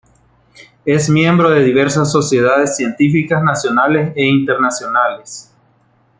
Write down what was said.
Es miembro de diversas sociedades científicas nacionales e internacionales.